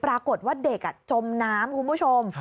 ปรากฏว่าเด็กจมน้ำคุณผู้ชม